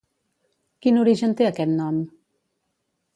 Quin origen té aquest nom?